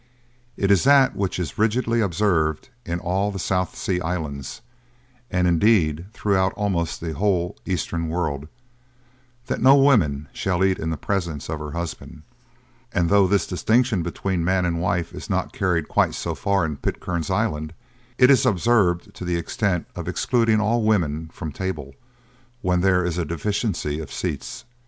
It is that which is rigidly observed in all the South Sea Islands, and indeed throughout almost the whole eastern world, that no woman shall eat in the presence of her husband; and though this distinction between man and wife is not carried quite so far in Pitcairn's Island, it is observed to the extent of excluding all women from table, when there is a deficiency of seats.